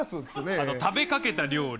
あと食べかけた料理。